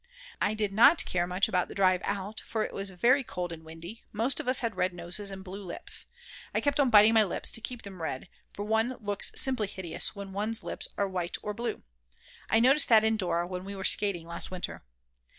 I did not care much about the drive out, for it was very cold and windy, most of us had red noses and blue lips; I kept on biting my lips to keep them red, for one looks simply hideous when one's lips are white or blue, I noticed that in Dora when we were skating last winter.